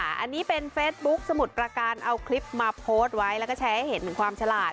อันนี้เป็นเฟซบุ๊คสมุทรประการเอาคลิปมาโพสต์ไว้แล้วก็แชร์ให้เห็นถึงความฉลาด